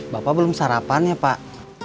bapak belum sarapan ya pak